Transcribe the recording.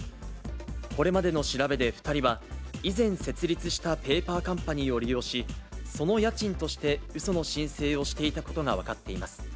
これまでの調べで２人は、以前設立したペーパーカンパニーを利用し、その家賃としてうその申請をしていたことが分かっています。